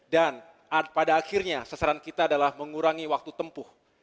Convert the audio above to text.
dan pada akhirnya sasaran kita adalah mengurangi waktu tempuh